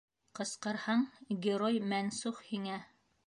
Ҡысҡырһаң - герой мәнсух һиңә!